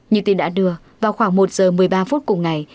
như tin đã đưa vào khoảng một giờ một mươi ba phút cùng ngày